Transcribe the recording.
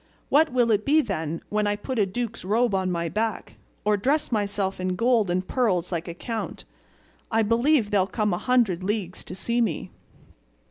What will it be, then, when I put a duke's robe on my back, or dress myself in gold and pearls like a count? I believe they'll come a hundred leagues to see me."